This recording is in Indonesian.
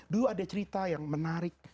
dulu ada cerita yang menarik